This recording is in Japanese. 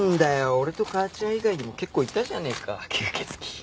俺と母ちゃん以外にも結構いたじゃねえか吸血鬼。